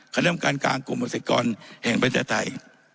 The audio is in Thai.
คำนำการการกลุ่มอุณสึกกรแห่งปัญชาไทย